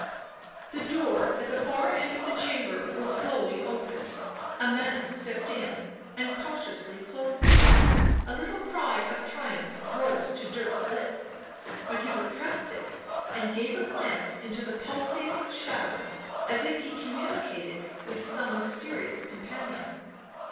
The door at the far end of the chamber was slowly opened ; a man stepped in and cautiously closed it ; a little cry of triumph rose to Dirk's lips, but he repressed it and gave a glance into the pulsating shadows as if he communicated with some mysterious companion.